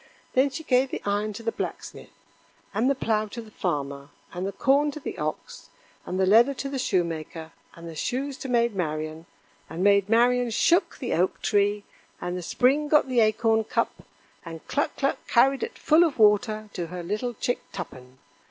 Then she gave the iron to the Blacksmith, and the plow to the Farmer, and the corn to the ox, and the leather to the Shoemaker, and the shoes to Maid Marian; and Maid Marian shook the Oak tree, and the Spring got the acorn cup, and Cluck cluck carried it full of water to her little chick Tuppen.